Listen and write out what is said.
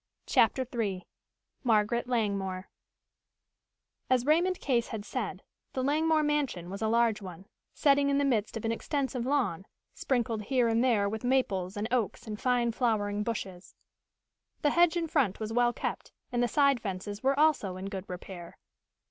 CHAPTER III MARGARET LANGMORE As Raymond Case had said, the Langmore mansion was a large one, setting in the midst of an extensive lawn, sprinkled here and there with maples and oaks and fine flowering bushes. The hedge in front was well kept and the side fences were also in good repair.